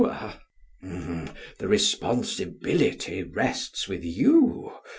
SOCRATES: The responsibility rests with you.